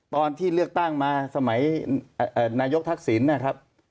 ตอนที่เลือกตั้งมาสมัยนายกทักษิณนะครับ